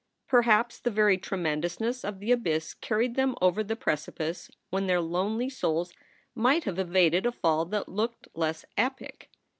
Perhaps the very tremendousness of the abyss carried them over the precipice when their lonely souls might have evaded a fall that looked less epic.